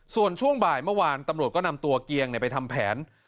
ส่วนช่วงบ่ายเมื่อวานตำรวจก็นำตัวเกียงไปทำแผน